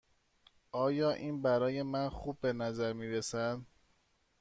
آیا این برای من خوب به نظر می رسد؟